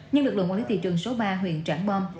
nhưng lực lượng quản lý thị trường số ba huyện trảng bom